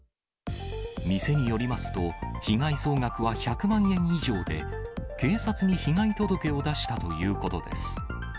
店によりますと、被害総額は１００万円以上で、警察に被害届を出したということです。